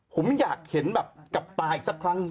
ผมอยากเห็นแบบกับตาอีกสักครั้ง